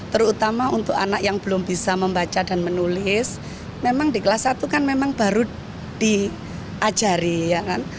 terutama untuk anak yang belum bisa membaca dan menulis memang di kelas satu kan memang baru diajari ya kan